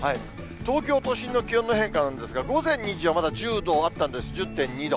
東京都心の気温の変化なんですが、午前２時はまだ１０度あったんです、１０．２度。